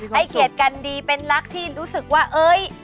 ให้เกียรติกันดีเป็นรักที่รู้สึกว่าเอ้ย